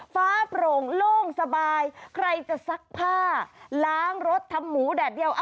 ฟ้าโปร่งโล่งสบายใครจะซักผ้าล้างรถทำหมูแดดเดียว